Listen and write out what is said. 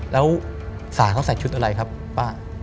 แล้วสาเขาใส่ชุดอะไรครับป้า